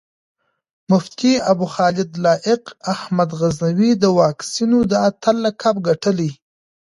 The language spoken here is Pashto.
مفتي ابوخالد لائق احمد غزنوي د واکسينو د اتَل لقب ګټلی